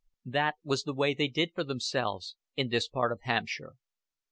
That was the way they did for themselves in this part of Hampshire.